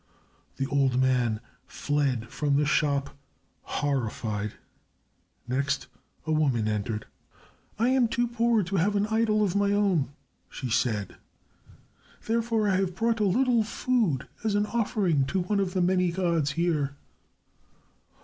The old man fled from the shop horrified. Next, a woman entered. "I am too poor to have an idol of my own," she said. "Therefore, I have brought a little food as an offering to one of the many gods here."